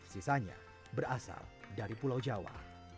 sisanya berasal dari pulau jawa